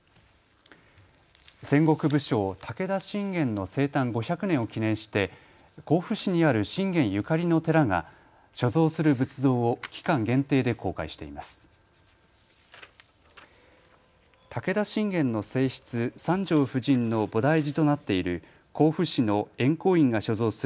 戦国武将、武田信玄の生誕５００年を記念して甲府市にある信玄ゆかりの寺が所蔵する仏像を期間限定で公開しています。